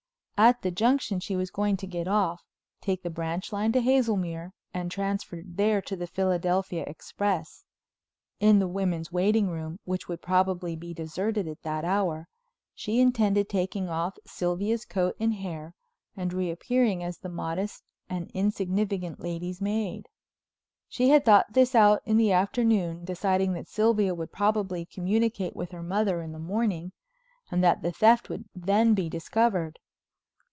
At the Junction she was going to get off, take the branch line to Hazelmere and transfer there to the Philadelphia Express. In the women's waiting room, which would probably be deserted at that hour, she intended taking off Sylvia's coat and hair and reappearing as the modest and insignificant lady's maid. She had thought this out in the afternoon, deciding that Sylvia would probably communicate with her mother in the morning and that the theft would then be discovered.